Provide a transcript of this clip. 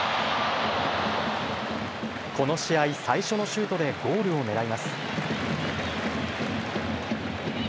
この試合、最初のシュートでゴールをねらいます。